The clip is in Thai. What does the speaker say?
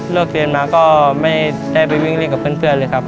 เรียนมาก็ไม่ได้ไปวิ่งเล่นกับเพื่อนเลยครับ